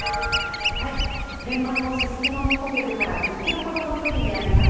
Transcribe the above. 現場のすすきののホテルから１０キロほどの距離にあります